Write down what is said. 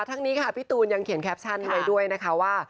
ทั้งนี้ค่ะพี่ตูนยังเขียนแคปชั่นไว้ด้วยนะคะว่า